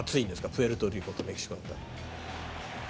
プエルトリコとメキシコだったら。